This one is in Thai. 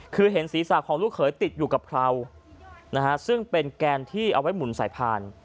คือเห็นศีรษะของลูกเขยติดอยู่กับเพราซึ่งเป็นแกนที่เอาไว้หมุนสายพาน